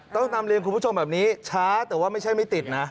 ต้องนำเรียนคุณผู้ชมแบบนี้ช้าแต่ว่าไม่ใช่ไม่ติดนะ